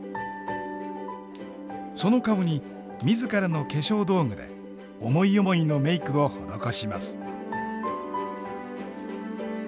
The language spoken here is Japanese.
その顔に自らの化粧道具で思い思いのメークを施します。